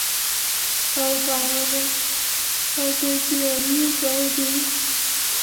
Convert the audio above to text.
রাজা সলোমনের মতো একটু ন্যায়বিচার করেন যদি।